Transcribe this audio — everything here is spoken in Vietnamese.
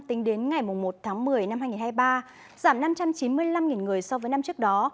tính đến ngày một tháng một mươi năm hai nghìn hai mươi ba giảm năm trăm chín mươi năm người so với năm trước đó